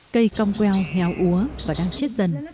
cây cong queo heo úa và đang chết dần